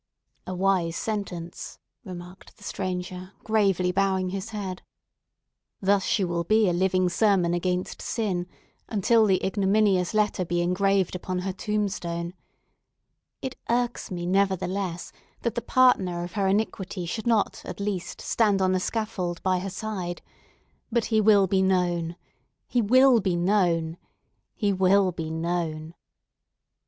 "A wise sentence," remarked the stranger, gravely, bowing his head. "Thus she will be a living sermon against sin, until the ignominious letter be engraved upon her tombstone. It irks me, nevertheless, that the partner of her iniquity should not at least, stand on the scaffold by her side. But he will be known—he will be known!—he will be known!"